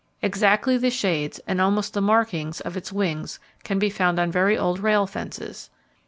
Exactly the shades, and almost the markings of its wings can be found on very old rail fences.